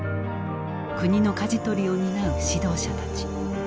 国のかじ取りを担う指導者たち。